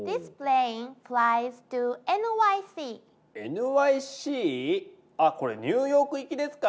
ＮＹＣ⁉あこれニューヨーク行きですか？